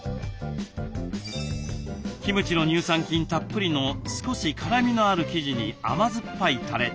キムチの乳酸菌たっぷりの少し辛みのある生地に甘酸っぱいたれ。